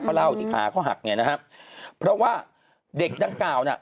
เขาเล่าที่ขาเขาหักไงนะครับเพราะว่าเด็กดังกล่าวน่ะ